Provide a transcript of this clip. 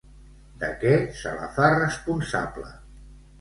De què se la fa responsable?